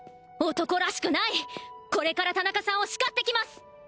男らしくないこれから田中さんを叱ってきます！